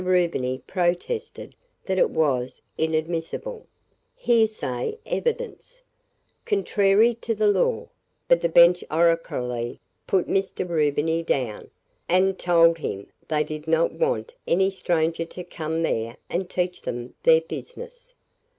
Rubiny protested that it was "inadmissible;" "hearsay evidence;" "contrary to law;" but the bench oracularly put Mr. Rubiny down, and told him they did not want any stranger to come there and teach them their business.